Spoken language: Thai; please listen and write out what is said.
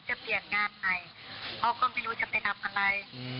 แล้วฉันจะเปลี่ยนงานใหม่ก็ไม่รู้จะไปทำอันไร